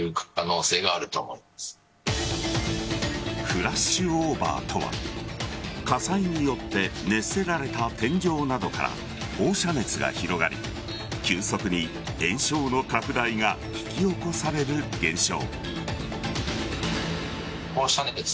フラッシュオーバーとは火災によって熱せられた天井などから放射熱が広がり急速に延焼の拡大が引き起こされる現象。